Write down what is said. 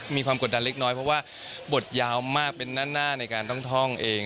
มีความกดดันเล็กน้อยเพราะว่าบทยาวมากเป็นหน้าในการต้องท่องเอง